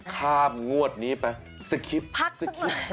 ข้ามงวดนี้ไปสกิปข้ามไป